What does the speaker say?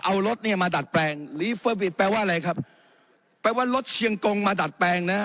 เอารถเนี้ยมาดัดแปลงแปลว่าอะไรครับแปลว่ารถเชียงโกงมาดัดแปลงนะ